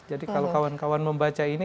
jadi kalau kawan kawan membaca ini